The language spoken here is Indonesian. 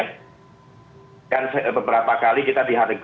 kan beberapa kali kita dihadapkan juga dengan kasus kasus yang berbeda